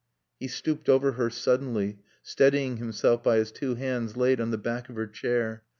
He stooped over her suddenly, steadying himself by his two hands laid on the back of her chair.